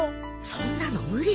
そんなの無理よ。